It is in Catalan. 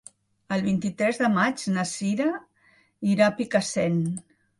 El vint-i-tres de maig na Sira irà a Picassent.